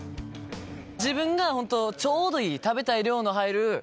自分がホントちょうどいい。